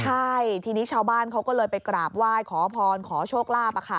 ใช่ทีนี้ชาวบ้านเขาก็เลยไปกราบไหว้ขอพรขอโชคลาภ